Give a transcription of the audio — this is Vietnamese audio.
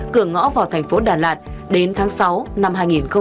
cửa ngõ vào thành phố đà lạt đến tháng sáu năm hai nghìn hai mươi